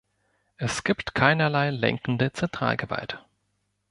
Es gibt keinerlei lenkende Zentralgewalt.